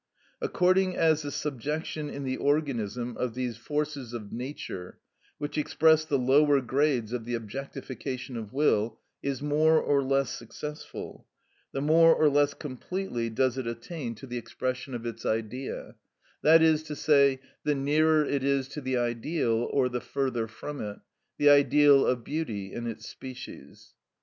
According as the subjection in the organism of these forces of nature, which express the lower grades of the objectification of will, is more or less successful, the more or the less completely does it attain to the expression of its Idea; that is to say, the nearer it is to the ideal or the further from it—the ideal of beauty in its species.